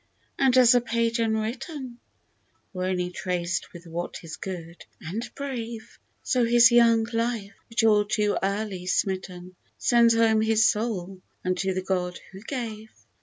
and as a page unwritten, Or only traced with what is good and brave, So his young life, which all too early smitten, Sends home his soul unto the God who gave.